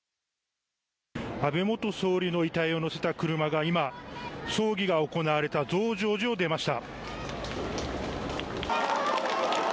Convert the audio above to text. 安倍元総理の遺体を乗せた車が葬儀が行われた増上寺を出ました。